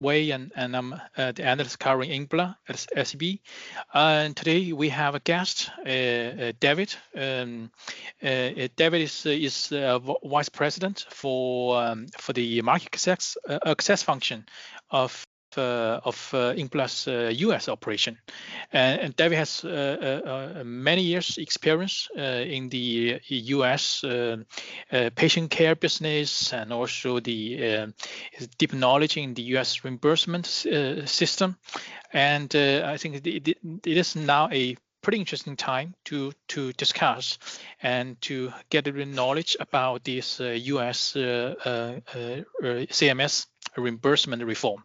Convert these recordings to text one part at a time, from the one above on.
Wei, and I'm the analyst covering Embla at SEB. And today, we have a guest, David. David is vice president for the market access function of Embla's U.S. operation. And David has many years experience in the U.S. patient care business and also the deep knowledge in the U.S. reimbursement system. And I think it is now a pretty interesting time to discuss and to gather the knowledge about this U.S. CMS reimbursement reform.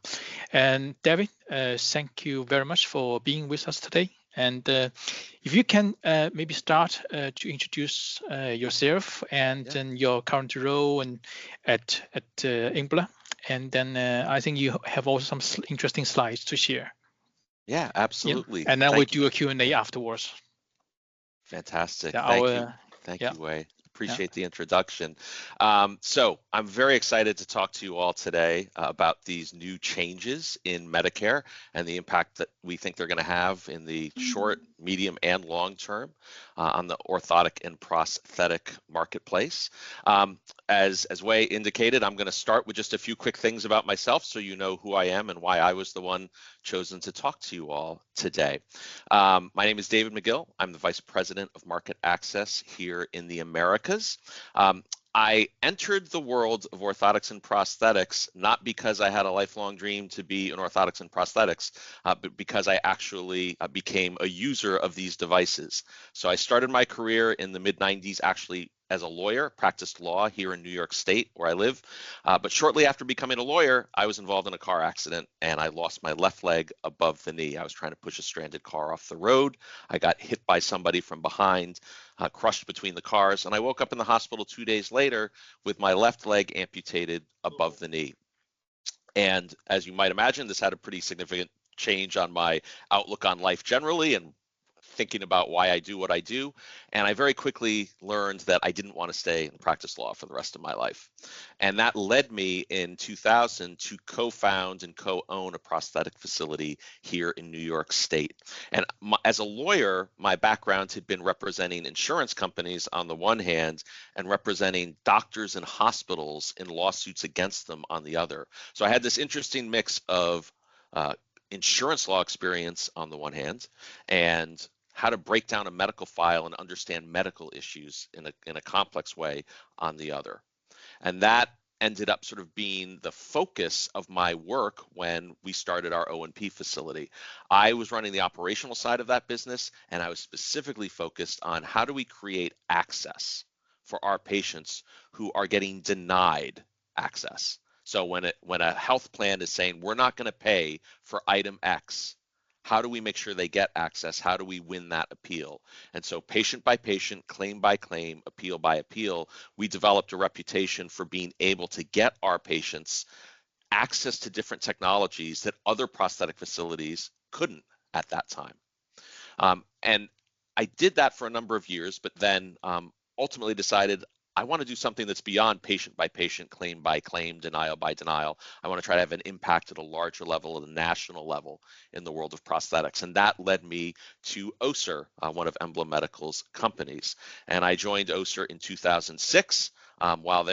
And, David, thank you very much for being with us today. And if you can maybe start to introduce yourself- Yeah... and then your current role and at Embla, and then I think you have also some interesting slides to share. Yeah, absolutely. Yeah. Thank you. And then we'll do a Q&A afterwards. Fantastic. Yeah, our- Thank you. Yeah. Thank you, Wei. Yeah. Appreciate the introduction, so I'm very excited to talk to you all today about these new changes in Medicare, and the impact that we think they're gonna have in the- Mm-hmm... short, medium, and long term on the orthotic and prosthetic marketplace. As Wei indicated, I'm gonna start with just a few quick things about myself, so you know who I am and why I was the one chosen to talk to you all today. My name is David McGill. I'm the Vice President of Market Access here in the Americas. I entered the world of orthotics and prosthetics not because I had a lifelong dream to be in orthotics and prosthetics, but because I actually became a user of these devices. So I started my career in the mid-'90s, actually, as a lawyer. Practiced law here in New York State, where I live. But shortly after becoming a lawyer, I was involved in a car accident, and I lost my left leg above the knee. I was trying to push a stranded car off the road. I got hit by somebody from behind, crushed between the cars, and I woke up in the hospital two days later with my left leg amputated above the knee. And as you might imagine, this had a pretty significant change on my outlook on life generally, and thinking about why I do what I do. And I very quickly learned that I didn't want to stay and practice law for the rest of my life. And that led me, in 2000, to co-found and co-own a prosthetic facility here in New York State. And as a lawyer, my background had been representing insurance companies on the one hand, and representing doctors and hospitals in lawsuits against them on the other. So I had this interesting mix of insurance law experience on the one hand, and how to break down a medical file and understand medical issues in a complex way, on the other. And that ended up sort of being the focus of my work when we started our O&P facility. I was running the operational side of that business, and I was specifically focused on: How do we create access for our patients who are getting denied access? So when a health plan is saying, "We're not gonna pay for item X," how do we make sure they get access? How do we win that appeal? And so patient by patient, claim by claim, appeal by appeal, we developed a reputation for being able to get our patients access to different technologies that other prosthetic facilities couldn't at that time. And I did that for a number of years, but then, ultimately decided I want to do something that's beyond patient by patient, claim by claim, denial by denial. I want to try to have an impact at a larger level, at a national level, in the world of prosthetics, and that led me to Össur, one of Embla Medical's companies, and I joined Össur in 2006. While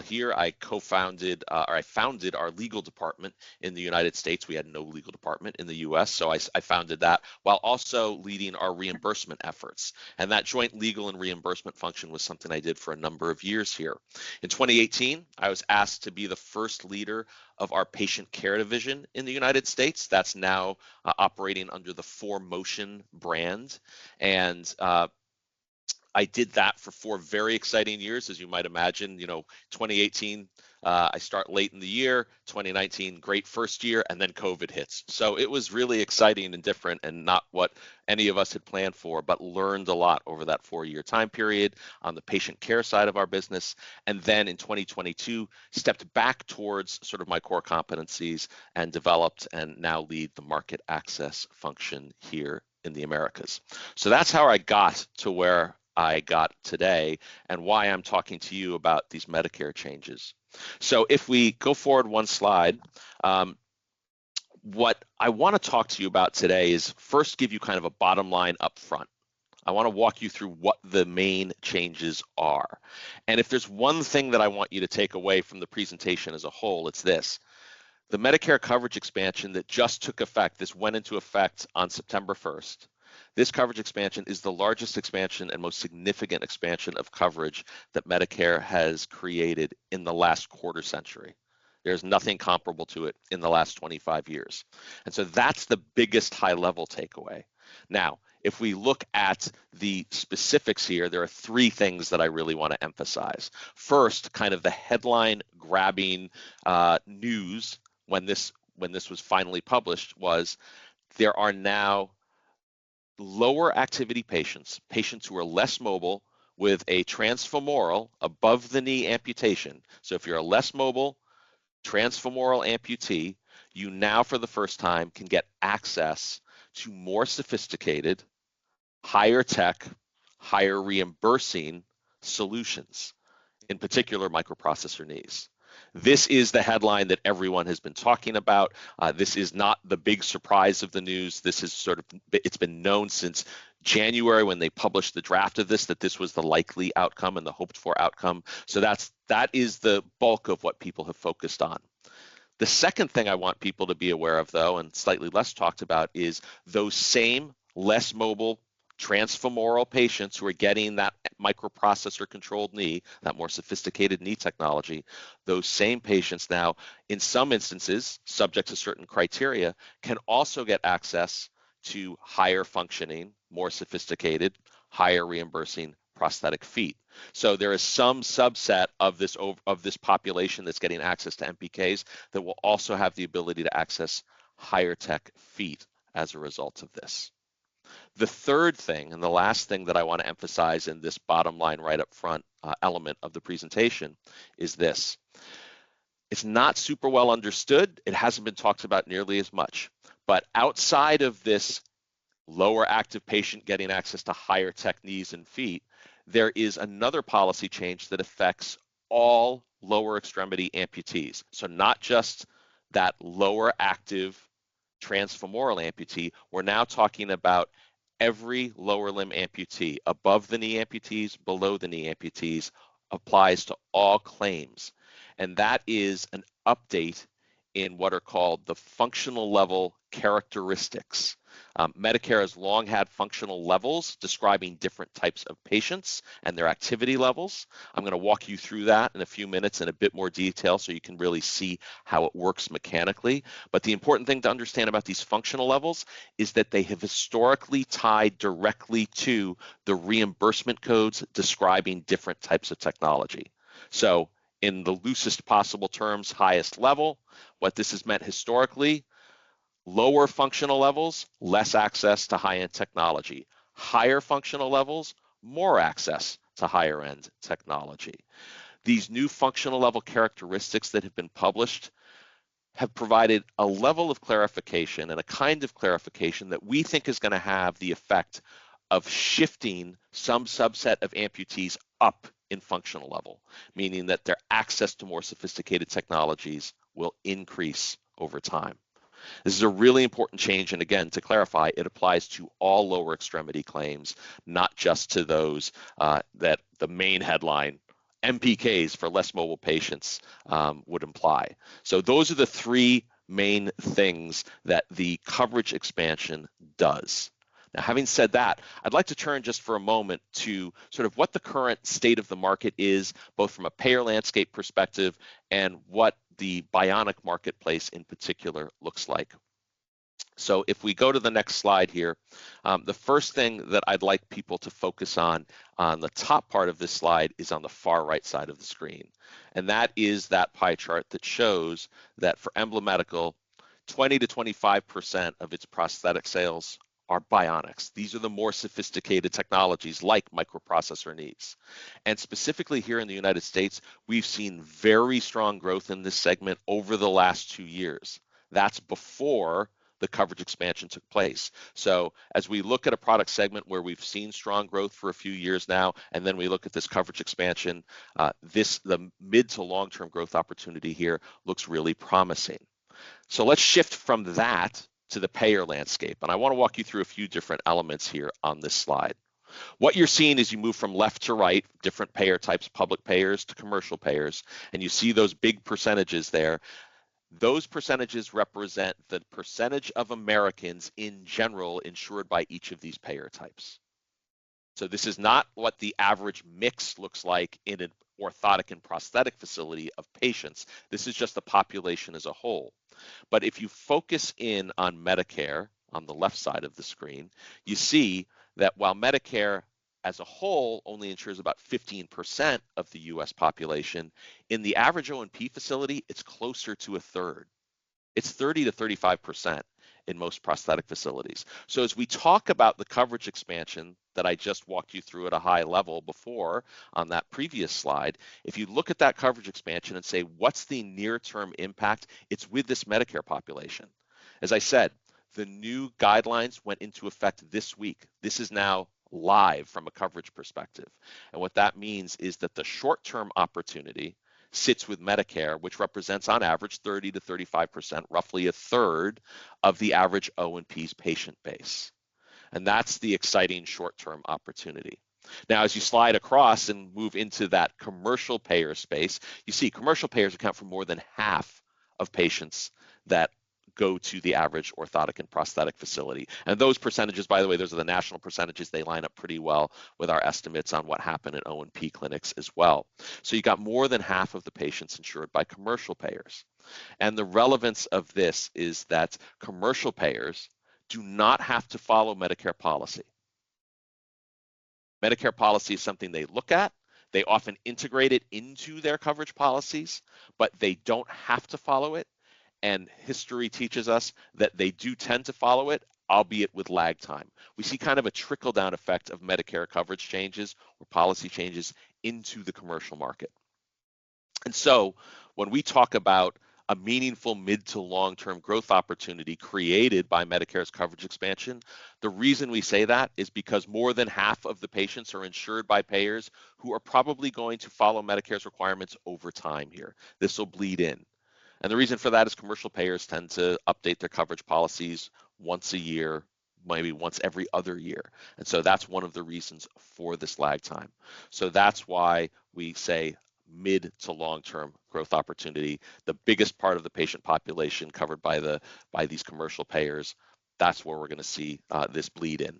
here, I co-founded, or I founded our legal department in the United States. We had no legal department in the U.S., so I founded that, while also leading our reimbursement efforts, and that joint legal and reimbursement function was something I did for a number of years here. In 2018, I was asked to be the first leader of our patient care division in the United States. That's now operating under the ForMotion brand. And I did that for four very exciting years, as you might imagine. You know, 2018, I start late in the year, 2019, great first year, and then COVID hits. So it was really exciting and different, and not what any of us had planned for, but learned a lot over that four-year time period on the patient care side of our business, and then in 2022, stepped back towards sort of my core competencies and developed, and now lead the market access function here in the Americas. So that's how I got to where I got today and why I'm talking to you about these Medicare changes. So if we go forward one slide, what I want to talk to you about today is, first, give you kind of a bottom line up front. I want to walk you through what the main changes are, and if there's one thing that I want you to take away from the presentation as a whole, it's this: the Medicare coverage expansion that just took effect, this went into effect on September 1st. This coverage expansion is the largest expansion and most significant expansion of coverage that Medicare has created in the last quarter-century. There's nothing comparable to it in the last twenty-five years, and so that's the biggest high-level takeaway. Now, if we look at the specifics here, there are three things that I really want to emphasize. First, kind of the headline-grabbing news, when this was finally published, was there are now lower activity patients, patients who are less mobile, with a transfemoral above-the-knee amputation. So if you're a less mobile transfemoral amputee, you know, for the first time, can get access to more sophisticated higher tech, higher reimbursing solutions, in particular, microprocessor knees. This is the headline that everyone has been talking about. This is not the big surprise of the news. This is sort of, it's been known since January when they published the draft of this, that this was the likely outcome and the hoped-for outcome. So that's, that is the bulk of what people have focused on. The second thing I want people to be aware of, though, and slightly less talked about, is those same less mobile transfemoral patients who are getting that microprocessor-controlled knee, that more sophisticated knee technology, those same patients now, in some instances, subject to certain criteria, can also get access to higher functioning, more sophisticated, higher reimbursing prosthetic feet. So there is some subset of this population that's getting access to MPKs, that will also have the ability to access higher tech feet as a result of this. The third thing, and the last thing that I want to emphasize in this bottom line, right up front, element of the presentation is this: it's not super well understood, it hasn't been talked about nearly as much, but outside of this lower active patient getting access to higher tech knees and feet, there is another policy change that affects all lower extremity amputees. So not just that lower active transfemoral amputee, we're now talking about every lower limb amputee, above-the-knee amputees, below-the-knee amputees, applies to all claims, and that is an update in what are called the functional level characteristics. Medicare has long had functional levels describing different types of patients and their activity levels. I'm going to walk you through that in a few minutes in a bit more detail, so you can really see how it works mechanically. But the important thing to understand about these functional levels is that they have historically tied directly to the reimbursement codes describing different types of technology. So in the loosest possible terms, highest level, what this has meant historically, lower functional levels, less access to high-end technology. Higher functional levels, more access to higher-end technology. These new functional level characteristics that have been published have provided a level of clarification and a kind of clarification that we think is going to have the effect of shifting some subset of amputees up in functional level, meaning that their access to more sophisticated technologies will increase over time. This is a really important change, and again, to clarify, it applies to all lower extremity claims, not just to those that the main headline, MPKs for less mobile patients, would imply. So those are the three main things that the coverage expansion does. Now, having said that, I'd like to turn just for a moment to sort of what the current state of the market is, both from a payer landscape perspective and what the bionic marketplace, in particular, looks like. So if we go to the next slide here, the first thing that I'd like people to focus on, on the top part of this slide is on the far right side of the screen, and that is that pie chart that shows that for Embla Medical, 20%-25% of its prosthetic sales are bionics. These are the more sophisticated technologies, like microprocessor knees. And specifically here in the United States, we've seen very strong growth in this segment over the last two years. That's before the coverage expansion took place. So as we look at a product segment where we've seen strong growth for a few years now, and then we look at this coverage expansion, the mid to long-term growth opportunity here looks really promising. So let's shift from that to the payer landscape, and I want to walk you through a few different elements here on this slide. What you're seeing as you move from left to right, different payer types, public payers to commercial payers, and you see those big percentages there. Those percentages represent the percentage of Americans in general, insured by each of these payer types. So this is not what the average mix looks like in an orthotic and prosthetic facility of patients. This is just the population as a whole. But if you focus in on Medicare, on the left side of the screen, you see that while Medicare as a whole only insures about 15% of the U.S. population, in the average O&P facility, it's closer to a third. It's 30-35% in most prosthetic facilities. So as we talk about the coverage expansion that I just walked you through at a high level before on that previous slide, if you look at that coverage expansion and say, "What's the near-term impact?" It's with this Medicare population. As I said, the new guidelines went into effect this week. This is now live from a coverage perspective. What that means is that the short-term opportunity sits with Medicare, which represents on average 30%-35%, roughly a third of the average O&P's patient base. That's the exciting short-term opportunity. Now, as you slide across and move into that commercial payer space, you see commercial payers account for more than half of patients that go to the average orthotic and prosthetic facility. Those percentages, by the way, those are the national percentages, they line up pretty well with our estimates on what happened at O&P clinics as well. You got more than half of the patients insured by commercial payers. The relevance of this is that commercial payers do not have to follow Medicare policy. Medicare policy is something they look at. They often integrate it into their coverage policies, but they don't have to follow it, and history teaches us that they do tend to follow it, albeit with lag time. We see kind of a trickle-down effect of Medicare coverage changes or policy changes into the commercial market... And so when we talk about a meaningful mid to long-term growth opportunity created by Medicare's coverage expansion, the reason we say that is because more than half of the patients are insured by payers who are probably going to follow Medicare's requirements over time here. This will bleed in, and the reason for that is commercial payers tend to update their coverage policies once a year, maybe once every other year. And so that's one of the reasons for this lag time. So that's why we say mid to long-term growth opportunity. The biggest part of the patient population covered by these commercial payers, that's where we're going to see this bleed in.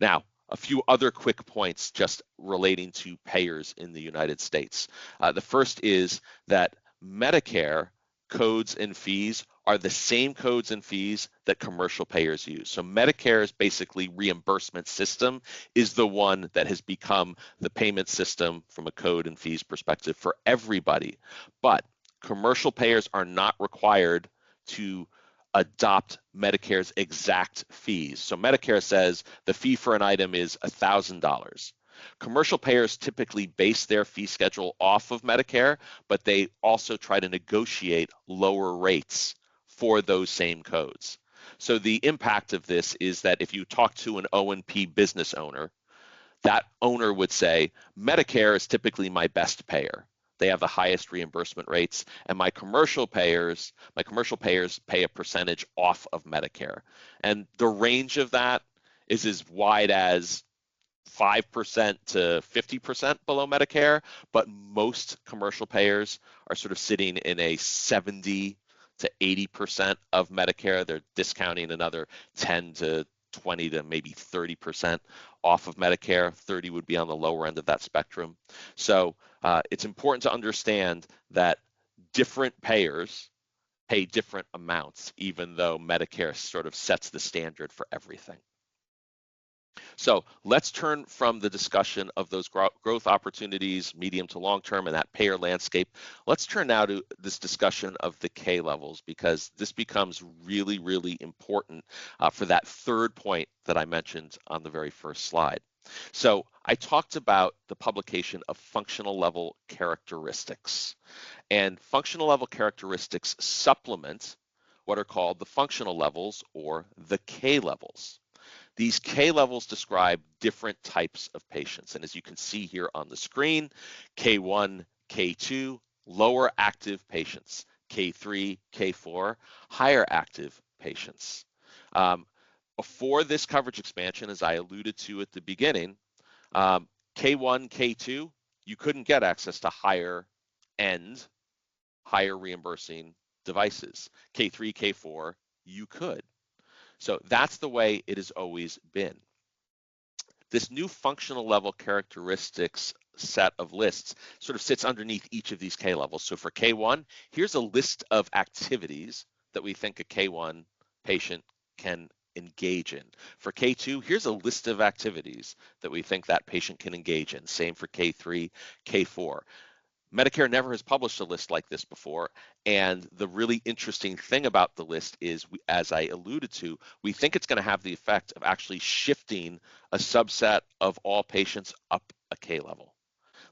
Now, a few other quick points just relating to payers in the United States. The first is that Medicare codes and fees are the same codes and fees that commercial payers use. So Medicare's basically reimbursement system is the one that has become the payment system from a code and fees perspective for everybody. But commercial payers are not required to adopt Medicare's exact fees. So Medicare says the fee for an item is $1,000. Commercial payers typically base their fee schedule off of Medicare, but they also try to negotiate lower rates for those same codes. So the impact of this is that if you talk to an O&P business owner, that owner would say, "Medicare is typically my best payer. They have the highest reimbursement rates, and my commercial payers pay a percentage off of Medicare, and the range of that is as wide as 5%-50% below Medicare, but most commercial payers are sort of sitting in a 70%-80% of Medicare. They're discounting another 10%-20% to maybe 30% off of Medicare. 30 would be on the lower end of that spectrum, so it's important to understand that different payers pay different amounts, even though Medicare sort of sets the standard for everything, so let's turn from the discussion of those growth opportunities, medium to long term, and that payer landscape. Let's turn now to this discussion of the K-levels, because this becomes really, really important for that third point that I mentioned on the very first slide. So I talked about the publication of functional level characteristics, and functional level characteristics supplement what are called the functional levels or the K-levels. These K-levels describe different types of patients, and as you can see here on the screen, K1, K2, lower active patients. K3, K4, higher active patients. Before this coverage expansion, as I alluded to at the beginning, K1, K2, you couldn't get access to higher end, higher reimbursing devices. K3, K4, you could. So that's the way it has always been. This new functional level characteristics set of lists sort of sits underneath each of these K-levels. So for K1, here's a list of activities that we think a K1 patient can engage in. For K2, here's a list of activities that we think that patient can engage in. Same for K3, K4. Medicare never has published a list like this before, and the really interesting thing about the list is, as I alluded to, we think it's going to have the effect of actually shifting a subset of all patients up a K level.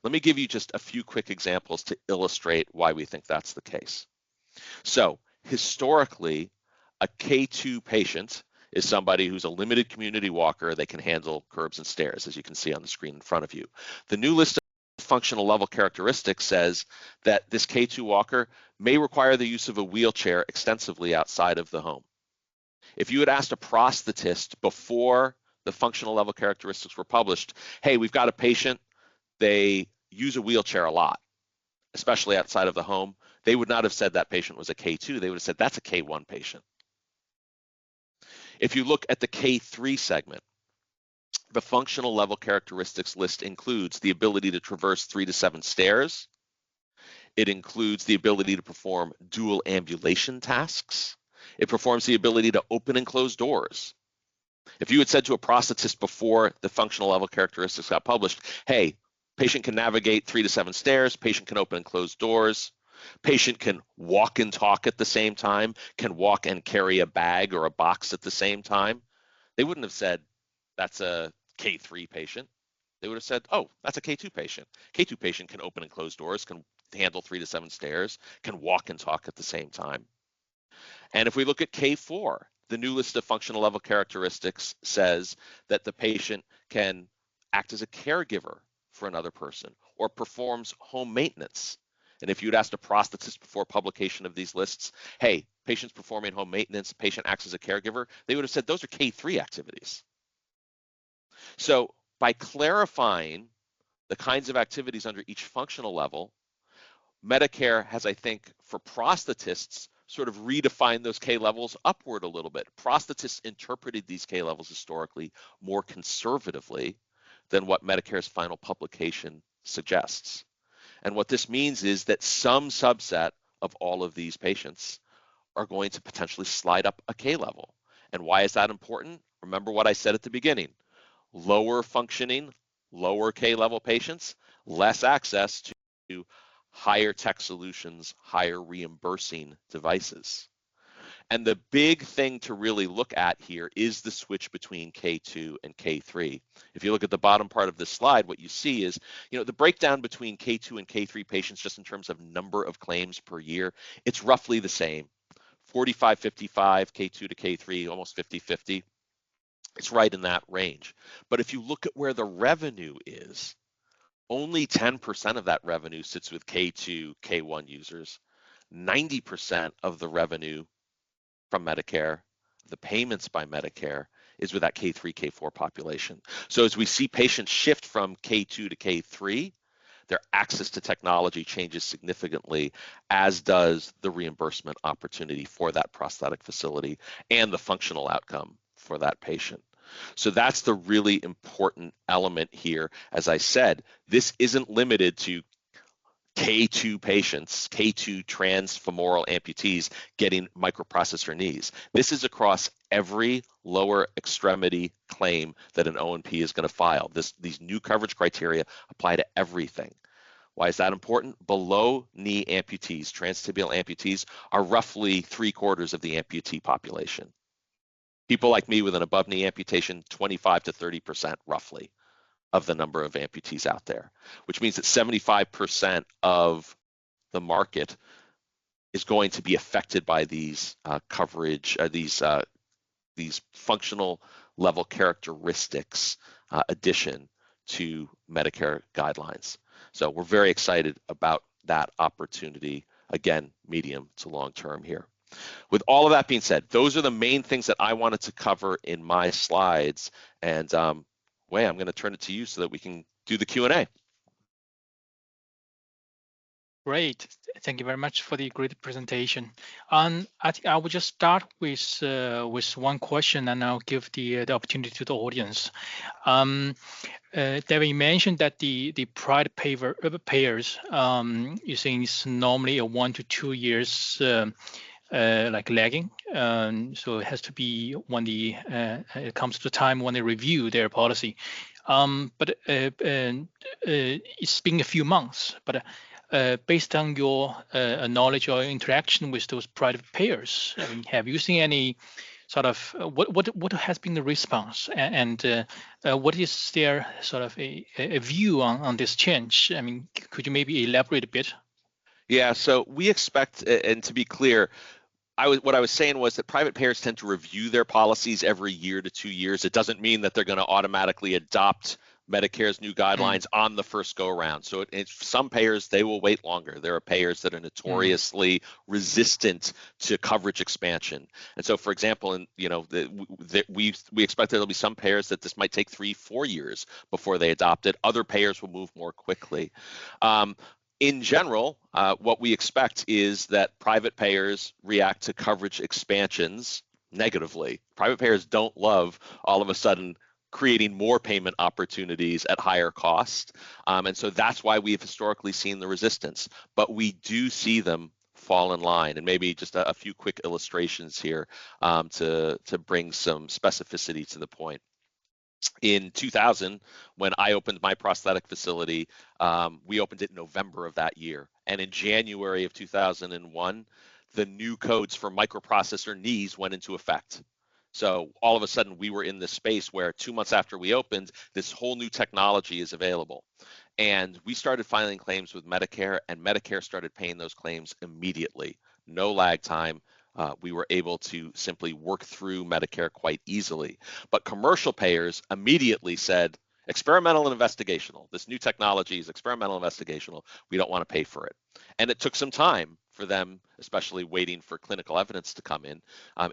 Let me give you just a few quick examples to illustrate why we think that's the case. So historically, a K2 patient is somebody who's a limited community walker. They can handle curbs and stairs, as you can see on the screen in front of you. The new list of functional level characteristics says that this K2 walker may require the use of a wheelchair extensively outside of the home. If you had asked a prosthetist before the functional level characteristics were published, "Hey, we've got a patient. They use a wheelchair a lot, especially outside of the home," they would not have said that patient was a K2. They would have said, "That's a K1 patient." If you look at the K3 segment, the functional level characteristics list includes the ability to traverse three to seven stairs. It includes the ability to perform dual ambulation tasks. It performs the ability to open and close doors. If you had said to a prosthetist before the functional level characteristics got published, "Hey, patient can navigate three to seven stairs, patient can open and close doors, patient can walk and talk at the same time, can walk and carry a bag or a box at the same time," they wouldn't have said, "That's a K3 patient." They would have said, "Oh, that's a K2 patient." K2 patient can open and close doors, can handle three to seven stairs, can walk and talk at the same time. And if we look at K4, the new list of functional level characteristics says that the patient can act as a caregiver for another person or performs home maintenance. And if you'd asked a prosthetist before publication of these lists, "Hey, patients performing home maintenance, patient acts as a caregiver," they would have said, "Those are K3 activities." So by clarifying the kinds of activities under each functional level, Medicare has, I think, for prosthetists, sort of redefined those K-levels upward a little bit. Prosthetists interpreted these K-levels historically, more conservatively than what Medicare's final publication suggests. And what this means is that some subset of all of these patients are going to potentially slide up a K level. And why is that important? Remember what I said at the beginning: lower functioning, lower K-level patients, less access to higher-tech solutions, higher reimbursing devices.... And the big thing to really look at here is the switch between K2 and K3. If you look at the bottom part of this slide, what you see is, you know, the breakdown between K2 and K3 patients just in terms of number of claims per year, it's roughly the same. 45-55, K2 to K3, almost 50-50. It's right in that range. But if you look at where the revenue is, only 10% of that revenue sits with K2, K1 users. 90% of the revenue from Medicare, the payments by Medicare is with that K3, K4 population. So as we see patients shift from K2 to K3, their access to technology changes significantly, as does the reimbursement opportunity for that prosthetic facility and the functional outcome for that patient. So that's the really important element here. As I said, this isn't limited to K2 patients, K2 transfemoral amputees getting microprocessor knees. This is across every lower extremity claim that an O&P is going to file. This, these new coverage criteria apply to everything. Why is that important? Below-knee amputees, transtibial amputees, are roughly three-quarters of the amputee population. People like me with an above-knee amputation, 25%-30%, roughly, of the number of amputees out there, which means that 75% of the market is going to be affected by these coverage, these functional level characteristics addition to Medicare guidelines. So we're very excited about that opportunity, again, medium to long term here. With all of that being said, those are the main things that I wanted to cover in my slides, and, Wei, I'm going to turn it to you so that we can do the Q&A. Great. Thank you very much for the great presentation. I will just start with one question, and I'll give the opportunity to the audience. David, you mentioned that the private payers, you're saying it's normally one to two years, like, lagging, and so it has to be when it comes to time when they review their policy. But it's been a few months, but based on your knowledge or interaction with those private payers, I mean, have you seen any sort of... What has been the response, and what is their sort of a view on this change? I mean, could you maybe elaborate a bit? Yeah. So we expect... and to be clear, what I was saying was that private payers tend to review their policies every year to two years. It doesn't mean that they're going to automatically adopt Medicare's new guidelines. Mm. on the first go-around. So it, some payers, they will wait longer. There are payers that are notoriously- Mm.... resistant to coverage expansion, and so, for example, you know, we expect there will be some payers that this might take three, four years before they adopt it. Other payers will move more quickly. In general, what we expect is that private payers react to coverage expansions negatively. Private payers don't love all of a sudden creating more payment opportunities at higher cost, and so that's why we have historically seen the resistance, but we do see them fall in line, and maybe just a few quick illustrations here, to bring some specificity to the point. In 2000, when I opened my prosthetic facility, we opened it in November of that year, and in January of 2001, the new codes for microprocessor knees went into effect. All of a sudden, we were in this space where two months after we opened, this whole new technology is available. We started filing claims with Medicare, and Medicare started paying those claims immediately. No lag time, we were able to simply work through Medicare quite easily. Commercial payers immediately said, "Experimental and investigational. This new technology is experimental and investigational, we don't want to pay for it." It took some time for them, especially waiting for clinical evidence to come in,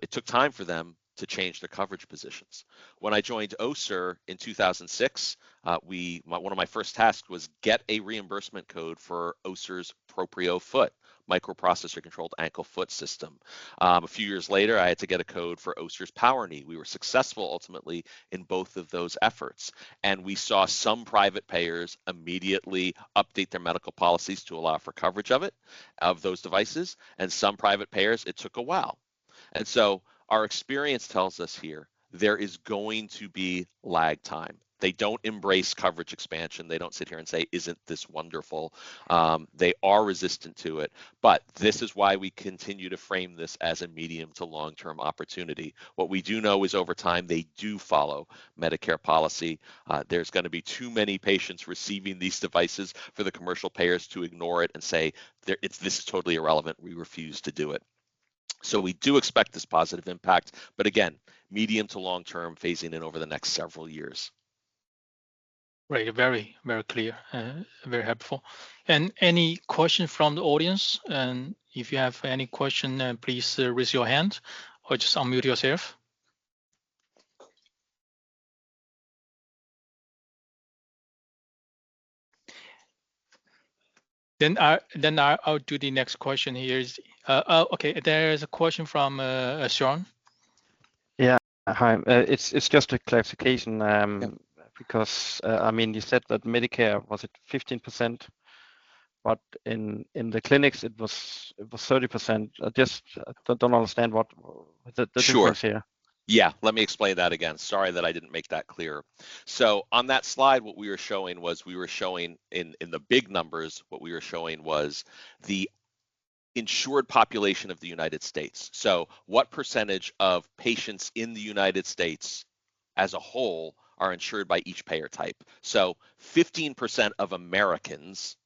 it took time for them to change their coverage positions. When I joined Össur in 2006, one of my first tasks was get a reimbursement code for Össur's Proprio Foot, microprocessor-controlled ankle-foot system. A few years later, I had to get a code for Össur's Power Knee. We were successful ultimately in both of those efforts, and we saw some private payers immediately update their medical policies to allow for coverage of it, of those devices, and some private payers, it took a while, and so our experience tells us here there is going to be lag time. They don't embrace coverage expansion. They don't sit here and say, "Isn't this wonderful?" They are resistant to it, but this is why we continue to frame this as a medium to long-term opportunity. What we do know is, over time, they do follow Medicare policy. There's going to be too many patients receiving these devices for the commercial payers to ignore it and say, "They- it's- this is totally irrelevant. We refuse to do it." We do expect this positive impact, but again, medium to long term, phasing in over the next several years. Right. Very, very clear and very helpful. And any question from the audience? And if you have any question, please raise your hand or just unmute yourself. Then I'll do the next question here is. Oh, okay, there is a question from Sean. Yeah. Hi, it's just a clarification. Yeah ... because, I mean, you said that Medicare, was it 15%? But in the clinics, it was 30%. I just don't understand what-... Sure. Yeah, let me explain that again. Sorry that I didn't make that clear. So on that slide, what we were showing was, in the big numbers, what we were showing was the insured population of the United States. So what percentage of patients in the United States as a whole are insured by each payer type? So 15% of Americans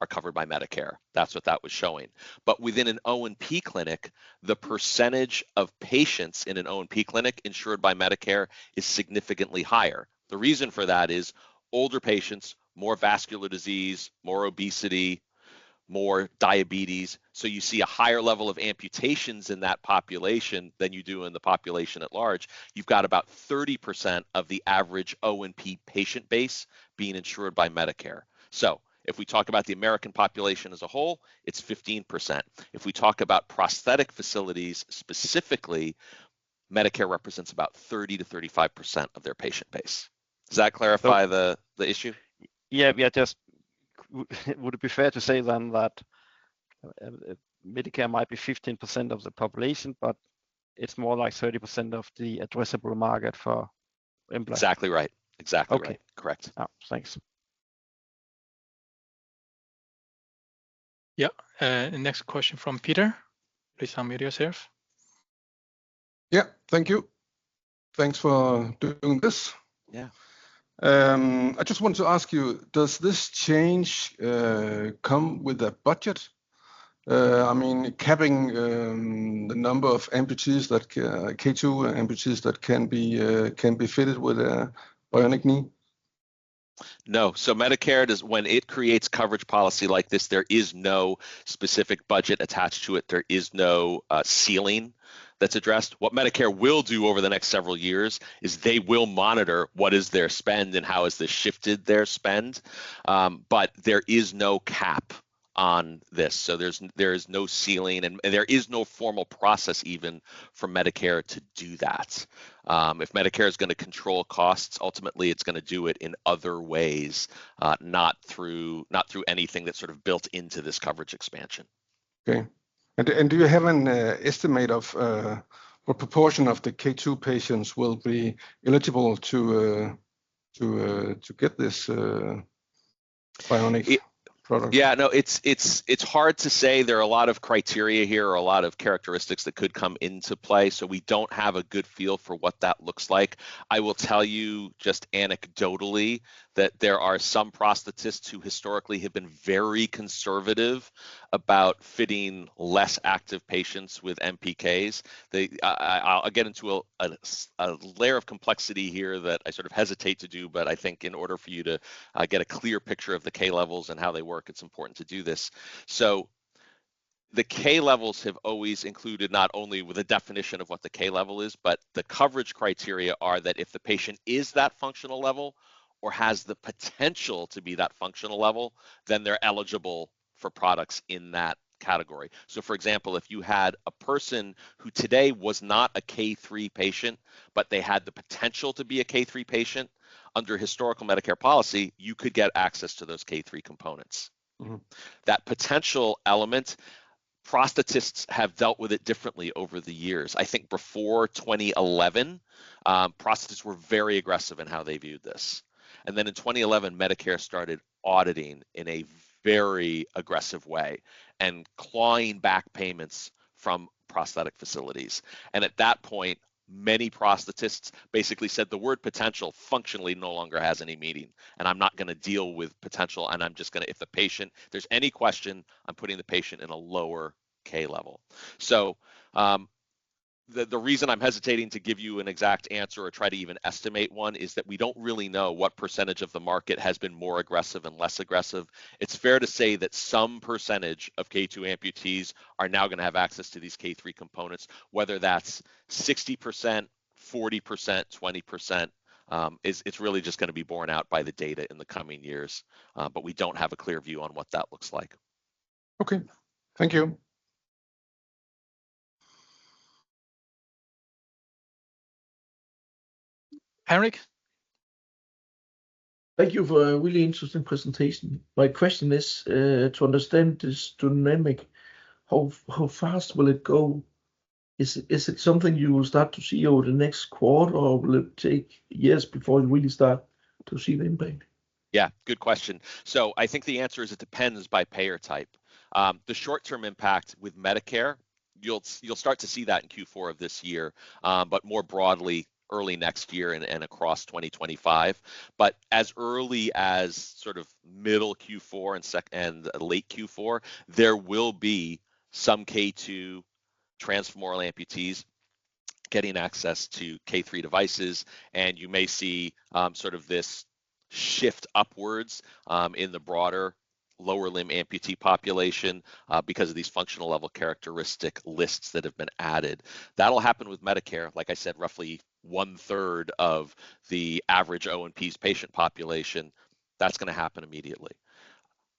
are covered by Medicare. That's what that was showing. But within an O&P clinic, the percentage of patients in an O&P clinic insured by Medicare is significantly higher. The reason for that is older patients, more vascular disease, more obesity, more diabetes, so you see a higher level of amputations in that population than you do in the population at large. You've got about 30% of the average O&P patient base being insured by Medicare. So if we talk about the American population as a whole, it's 15%. If we talk about prosthetic facilities, specifically, Medicare represents about 30%-35% of their patient base. Does that clarify the issue? Yeah. Yeah, just would it be fair to say then that Medicare might be 15% of the population, but it's more like 30% of the addressable market for implants? Exactly right. Exactly right. Okay. Correct. Thanks. Yeah, next question from Peter. Please unmute yourself. Yeah. Thank you. Thanks for doing this. Yeah. I just want to ask you, does this change come with a budget? I mean, capping the number of amputees, like, K2 amputees that can be fitted with a bionic knee? No. So Medicare, when it creates coverage policy like this, there is no specific budget attached to it. There is no ceiling that's addressed. What Medicare will do over the next several years is they will monitor what is their spend and how has this shifted their spend. But there is no cap on this, so there is no ceiling, and there is no formal process even for Medicare to do that. If Medicare is going to control costs, ultimately, it's going to do it in other ways, not through anything that's sort of built into this coverage expansion. Okay. And do you have an estimate of what proportion of the K2 patients will be eligible to get this bionic- It- -product? Yeah, no, it's hard to say. There are a lot of criteria here or a lot of characteristics that could come into play, so we don't have a good feel for what that looks like. I will tell you, just anecdotally, that there are some prosthetists who historically have been very conservative about fitting less active patients with MPKs. I'll get into a layer of complexity here that I sort of hesitate to do, but I think in order for you to get a clear picture of the K-levels and how they work, it's important to do this. So the K-levels have always included not only with the definition of what the K level is, but the coverage criteria are that if the patient is that functional level or has the potential to be that functional level, then they're eligible for products in that category. So, for example, if you had a person who today was not a K3 patient, but they had the potential to be a K3 patient, under historical Medicare policy, you could get access to those K3 components. Mm-hmm. That potential element, prosthetists have dealt with it differently over the years. I think before 2011, prosthetists were very aggressive in how they viewed this. And then in 2011, Medicare started auditing in a very aggressive way and clawing back payments from prosthetic facilities. And at that point, many prosthetists basically said, "The word potential functionally no longer has any meaning, and I'm not going to deal with potential, and I'm just going to... If there's any question, I'm putting the patient in a lower K level." So, the reason I'm hesitating to give you an exact answer or try to even estimate one is that we don't really know what percentage of the market has been more aggressive and less aggressive. It's fair to say that some percentage of K2 amputees are now going to have access to these K3 components, whether that's 60%, 40%, 20%. It's really just going to be borne out by the data in the coming years, but we don't have a clear view on what that looks like. Okay. Thank you. Henrik? Thank you for a really interesting presentation. My question is to understand this dynamic, how fast will it go? Is it something you will start to see over the next quarter, or will it take years before you really start to see the impact? Yeah, good question. So I think the answer is it depends by payer type. The short-term impact with Medicare, you'll start to see that in Q4 of this year, but more broadly, early next year and across 2025. But as early as sort of middle Q4 and late Q4, there will be some K2 transfemoral amputees getting access to K3 devices, and you may see sort of this shift upwards in the broader lower limb amputee population because of these functional level characteristic lists that have been added. That'll happen with Medicare. Like I said, roughly one-third of the average O&P's patient population, that's going to happen immediately.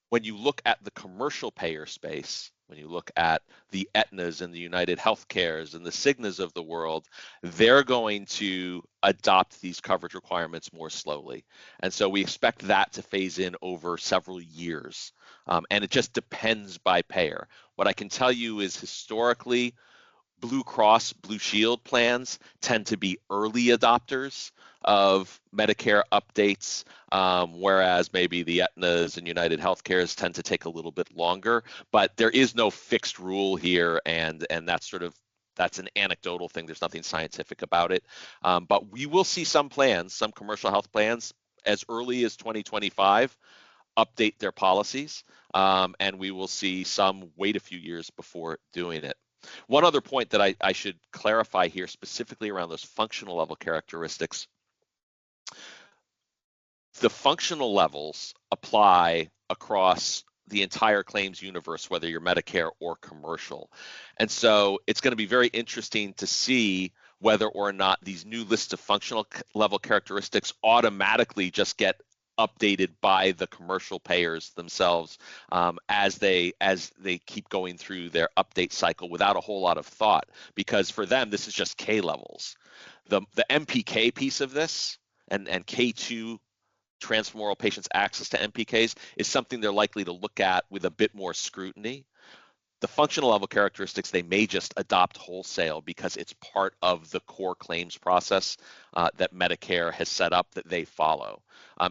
When you look at the commercial payer space, when you look at the Aetnas and the UnitedHealthcares, and the Cignas of the world, they're going to adopt these coverage requirements more slowly, and so we expect that to phase in over several years, and it just depends by payer. What I can tell you is, historically, Blue Cross Blue Shield plans tend to be early adopters of Medicare updates, whereas maybe the Aetnas and UnitedHealthcares tend to take a little bit longer. But there is no fixed rule here, and that's sort of an anecdotal thing. There's nothing scientific about it, but we will see some plans, some commercial health plans, as early as twenty twenty-five, update their policies, and we will see some wait a few years before doing it. One other point that I should clarify here, specifically around those functional level characteristics. The functional levels apply across the entire claims universe, whether you're Medicare or commercial. And so it's going to be very interesting to see whether or not these new lists of functional level characteristics automatically just get updated by the commercial payers themselves, as they keep going through their update cycle without a whole lot of thought. Because for them, this is just K-levels. The MPK piece of this and K2 transfemoral patients access to MPKs is something they're likely to look at with a bit more scrutiny. The functional level characteristics, they may just adopt wholesale because it's part of the core claims process that Medicare has set up that they follow.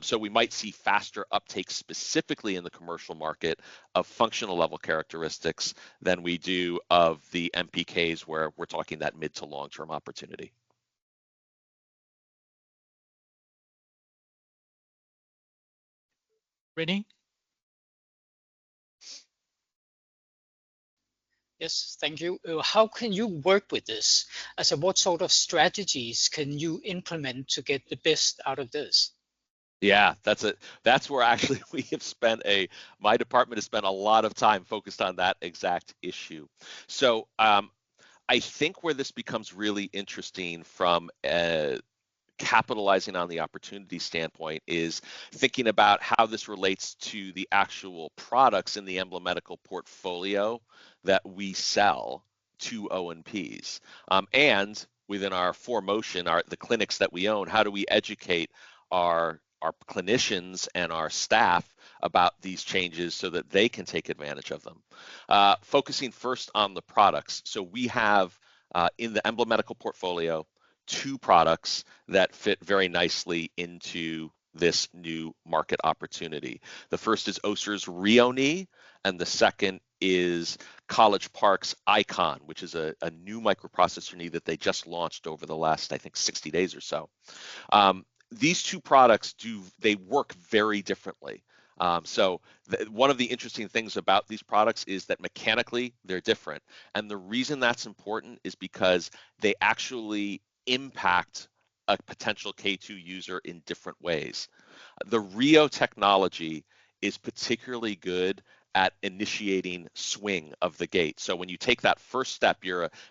So we might see faster uptake, specifically in the commercial market, of functional level characteristics than we do of the MPKs, where we're talking that mid to long-term opportunity. Renny? Yes, thank you. How can you work with this? As in, what sort of strategies can you implement to get the best out of this? Yeah, that's it. That's where actually, we have spent my department has spent a lot of time focused on that exact issue. So, I think where this becomes really interesting from a capitalizing on the opportunity standpoint is thinking about how this relates to the actual products in the Embla Medical portfolio that we sell to OMPs. And within our ForMotion, the clinics that we own, how do we educate our clinicians and our staff about these changes so that they can take advantage of them? Focusing first on the products. So we have, in the Embla Medical portfolio, two products that fit very nicely into this new market opportunity. The first is Össur's RHEO Knee, and the second is College Park's Icon, which is a new microprocessor knee that they just launched over the last, I think, 60 days or so. These two products do. They work very differently. One of the interesting things about these products is that mechanically, they're different. The reason that's important is because they actually impact a potential K2 user in different ways. The RHEO technology is particularly good at initiating swing of the gait. When you take that first step,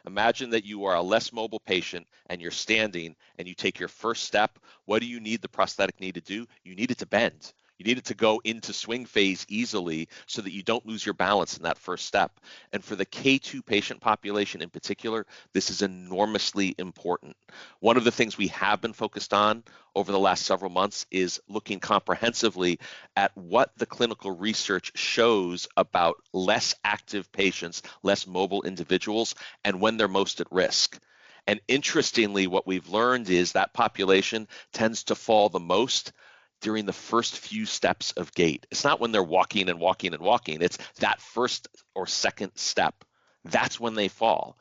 imagine that you are a less mobile patient, and you're standing, and you take your first step, what do you need the prosthetic knee to do? You need it to bend. You need it to go into swing phase easily so that you don't lose your balance in that first step. For the K2 patient population, in particular, this is enormously important. One of the things we have been focused on over the last several months is looking comprehensively at what the clinical research shows about less active patients, less mobile individuals, and when they're most at risk. And interestingly, what we've learned is that population tends to fall the most during the first few steps of gait. It's not when they're walking and walking and walking. It's that first or second step, that's when they fall.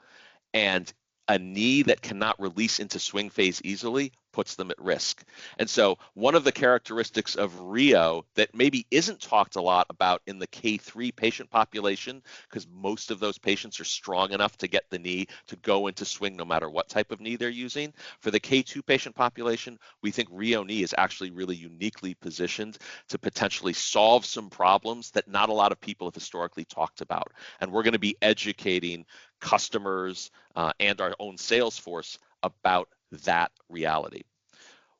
And a knee that cannot release into swing phase easily puts them at risk. And so one of the characteristics of RHEO that maybe isn't talked a lot about in the K3 patient population, 'cause most of those patients are strong enough to get the knee to go into swing, no matter what type of knee they're using. For the K2 patient population, we think RHEO Knee is actually really uniquely positioned to potentially solve some problems that not a lot of people have historically talked about. And we're going to be educating customers and our own sales force about that reality.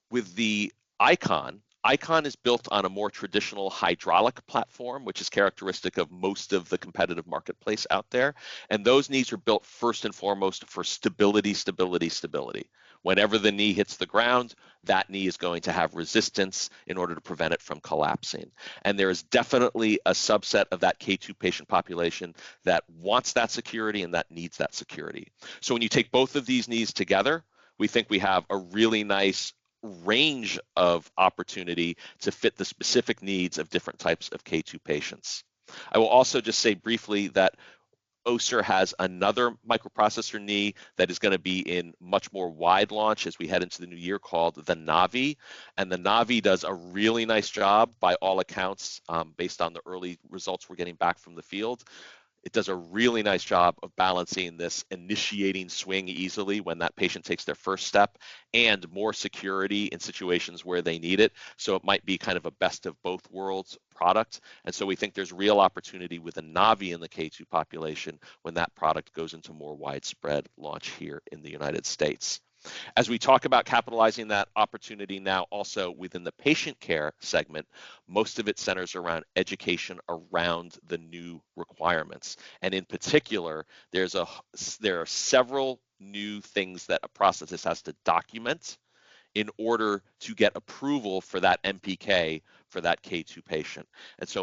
With the ICON, ICON is built on a more traditional hydraulic platform, which is characteristic of most of the competitive marketplace out there. And those knees are built first and foremost for stability, stability, stability. Whenever the knee hits the ground, that knee is going to have resistance in order to prevent it from collapsing. And there is definitely a subset of that K2 patient population that wants that security and that needs that security. So when you take both of these knees together, we think we have a really nice range of opportunity to fit the specific needs of different types of K2 patients. I will also just say briefly that Össur has another microprocessor knee that is going to be in much more wide launch as we head into the new year, called the Navii, and the Navii does a really nice job, by all accounts, based on the early results we're getting back from the field. It does a really nice job of balancing this initiating swing easily when that patient takes their first step, and more security in situations where they need it, so it might be kind of a best-of-both-worlds product, and so we think there's real opportunity with the Navii in the K2 population when that product goes into more widespread launch here in the United States. As we talk about capitalizing that opportunity now also within the patient care segment, most of it centers around education around the new requirements. In particular, there are several new things that a prosthetist has to document in order to get approval for that MPK, for that K2 patient.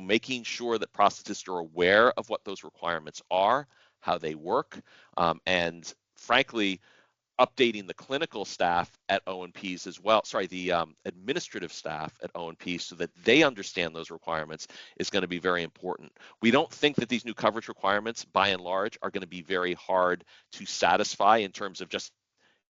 Making sure that prosthetists are aware of what those requirements are, how they work, and frankly updating the clinical staff at O&Ps as well, sorry, the administrative staff at O&P, so that they understand those requirements, is gonna be very important. We don't think that these new coverage requirements, by and large, are gonna be very hard to satisfy in terms of just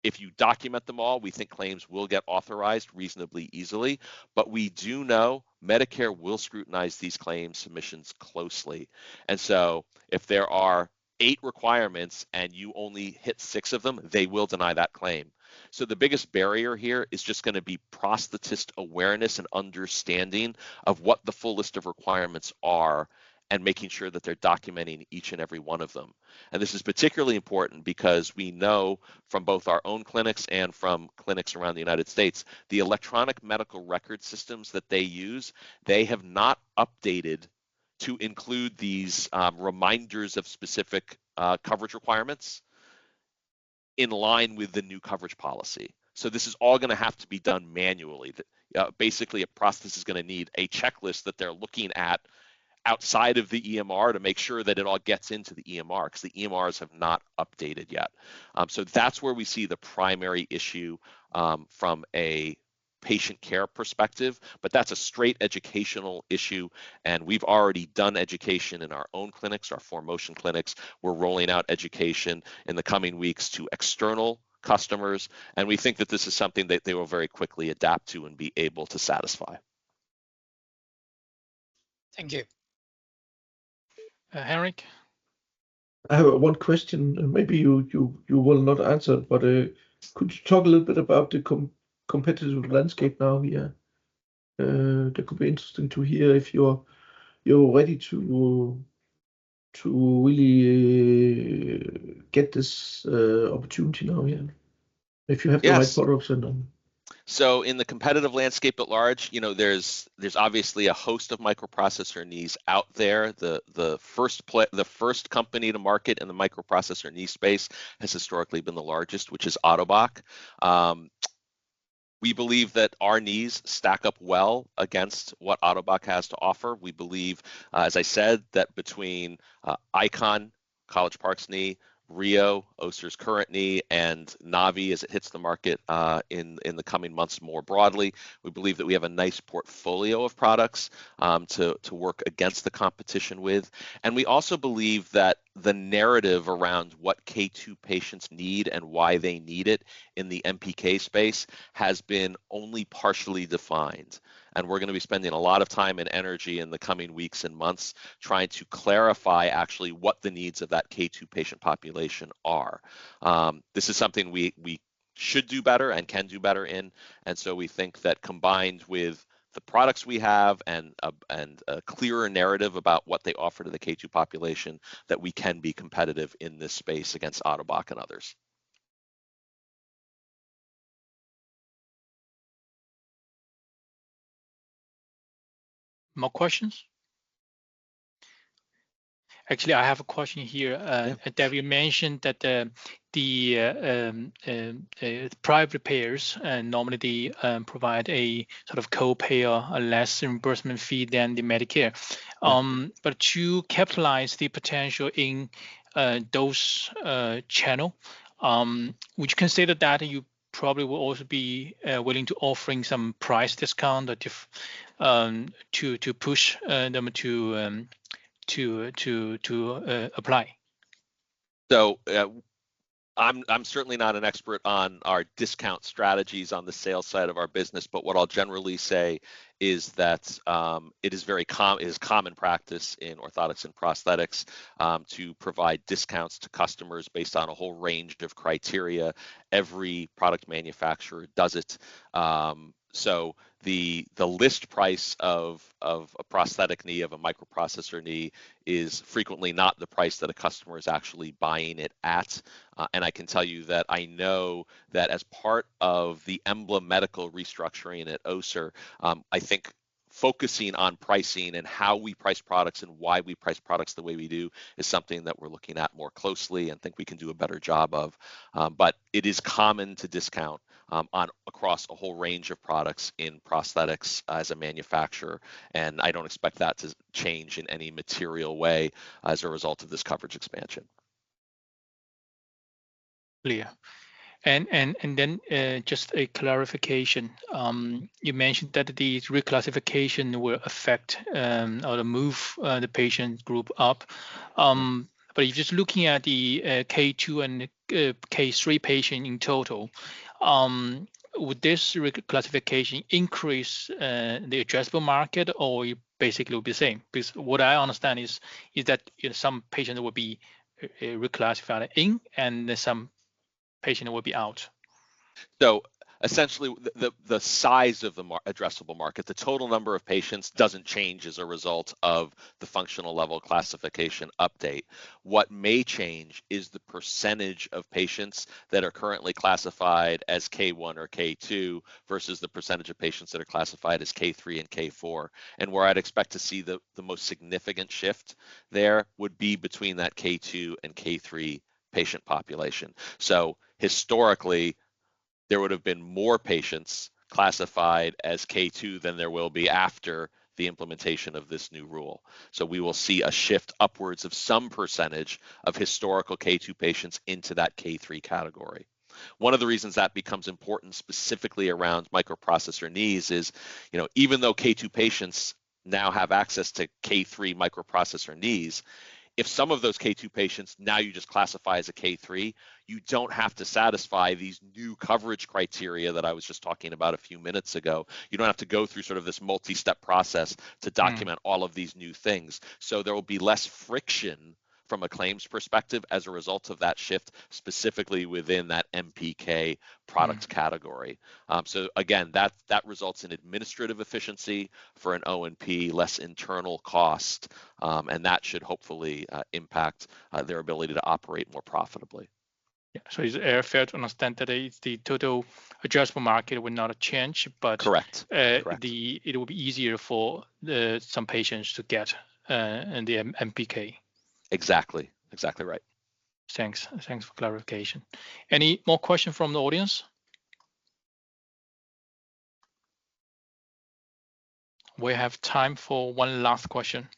if you document them all, we think claims will get authorized reasonably easily. We do know Medicare will scrutinize these claim submissions closely, and so if there are eight requirements and you only hit six of them, they will deny that claim. So the biggest barrier here is just gonna be prosthetist awareness and understanding of what the full list of requirements are, and making sure that they're documenting each and every one of them. And this is particularly important because we know from both our own clinics and from clinics around the United States, the electronic medical record systems that they use, they have not updated to include these, reminders of specific, coverage requirements in line with the new coverage policy. So this is all gonna have to be done manually. Basically, a prosthetist is gonna need a checklist that they're looking at outside of the EMR to make sure that it all gets into the EMR, 'cause the EMRs have not updated yet. So that's where we see the primary issue, from a patient care perspective, but that's a straight educational issue, and we've already done education in our own clinics, our ForMotion clinics. We're rolling out education in the coming weeks to external customers, and we think that this is something that they will very quickly adapt to and be able to satisfy. Thank you. Henrik? I have one question, and maybe you will not answer, but could you talk a little bit about the competitive landscape now here? That could be interesting to hear if you're ready to really get this opportunity now, yeah, if you have- Yes.... the right products and. So in the competitive landscape at large, you know, there's obviously a host of microprocessor knees out there. The first company to market in the microprocessor knee space has historically been the largest, which is Ottobock. We believe that our knees stack up well against what Ottobock has to offer. We believe, as I said, that between Icon, College Park's knee, RHEO, Össur's current knee, and Navii, as it hits the market, in the coming months more broadly, we believe that we have a nice portfolio of products, to work against the competition with. And we also believe that the narrative around what K2 patients need and why they need it in the MPK space has been only partially defined. We're gonna be spending a lot of time and energy in the coming weeks and months trying to clarify actually what the needs of that K2 patient population are. This is something we should do better and can do better in, and so we think that combined with the products we have and a clearer narrative about what they offer to the K2 population, that we can be competitive in this space against Ottobock and others. More questions? Actually, I have a question here. Yeah. David, you mentioned that the private payers normally they provide a sort of copay, a less reimbursement fee than the Medicare. Mm-hmm. But to capitalize the potential in those channel, would you consider that you probably will also be willing to offering some price discount that if to apply? I'm certainly not an expert on our discount strategies on the sales side of our business, but what I'll generally say is that it is very common practice in orthotics and prosthetics to provide discounts to customers based on a whole range of criteria. Every product manufacturer does it. So the list price of a prosthetic knee, of a microprocessor knee, is frequently not the price that a customer is actually buying it at. And I can tell you that I know that as part of the Embla Medical restructuring at Össur, I think focusing on pricing and how we price products and why we price products the way we do is something that we're looking at more closely and think we can do a better job of. But it is common to discount on across a whole range of products in prosthetics as a manufacturer, and I don't expect that to change in any material way as a result of this coverage expansion. Clear. And then, just a clarification. You mentioned that the reclassification will affect or move the patient group up. But you're just looking at the K2 and K3 patient in total. Would this reclassification increase the addressable market, or it basically will be the same? Because what I understand is that, you know, some patients will be reclassified in, and then some patient will be out. Essentially, the size of the market addressable market, the total number of patients doesn't change as a result of the functional level classification update. What may change is the percentage of patients that are currently classified as K1 or K2, versus the percentage of patients that are classified as K3 and K4. Where I'd expect to see the most significant shift there would be between that K2 and K3 patient population. Historically, there would have been more patients classified as K2 than there will be after the implementation of this new rule. We will see a shift upwards of some percentage of historical K2 patients into that K3 category. One of the reasons that becomes important, specifically around microprocessor knees, is, you know, even though K2 patients now have access to K3 microprocessor knees, if some of those K2 patients now you just classify as a K3, you don't have to satisfy these new coverage criteria that I was just talking about a few minutes ago. You don't have to go through sort of this multi-step process- Mm... to document all of these new things. So there will be less friction from a claims perspective as a result of that shift, specifically within that MPK product category. Mm. So again, that results in administrative efficiency for an O&P, less internal cost, and that should hopefully impact their ability to operate more profitably. Yeah, so is it fair to understand that the total addressable market will not change but- Correct. Correct... it will be easier for some patients to get an MPK? Exactly. Exactly right. Thanks. Thanks for clarification. Any more question from the audience? We have time for one last question.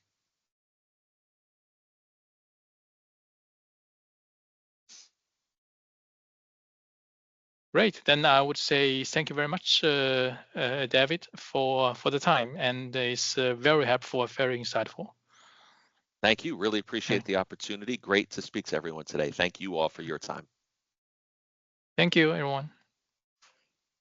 Great. Then I would say thank you very much, David, for the time, and it's very helpful and very insightful. Thank you. Really appreciate the opportunity. Great to speak to everyone today. Thank you all for your time. Thank you, everyone.